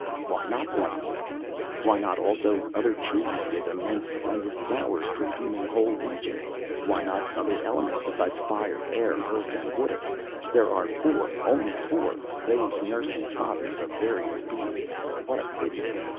Why not one more? Why not, also, other trees with immense, splendid flowers, perfuming whole regions? Why not other elements besides fire, air, earth and water? There are four, only four, those nursing fathers of various beings! What a pity!